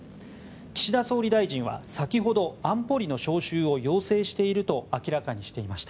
岸田総理大臣は先ほど安保理の招集を要請していると明らかにしていました。